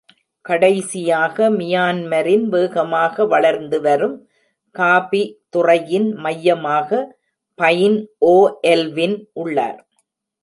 கடைசியாக, மியான்மரின் வேகமாக வளர்ந்து வரும் காபி துறையின் மையமாக பைன் ஓ எல்வின் உள்ளார்.